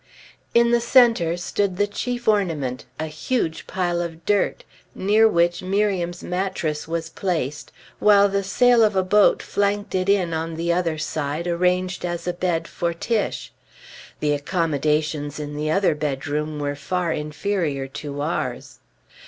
In the centre stood the chief ornament, a huge pile of dirt, near which Miriam's mattress was placed, while the sail of a boat flanked it in on the other side, arranged as a bed for Tiche. The accommodations in the other bedroom were far inferior to ours.